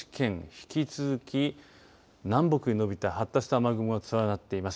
引き続き南北に延びた発達した雨雲が連なっています。